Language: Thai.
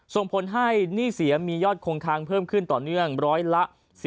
ส่งผลให้หนี้เสียมียอดคงค้างเพิ่มขึ้นต่อเนื่องร้อยละ๑๐